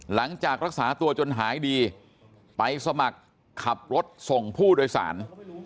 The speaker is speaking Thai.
หลังจากรักษาตัวจนหายดีไปสมัครขับรถส่งผู้โดยสาร